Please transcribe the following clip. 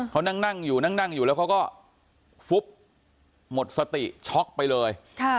เขานั่งอยู่แล้วเขาก็ฟุ๊บหมดสติช็อกไปเลย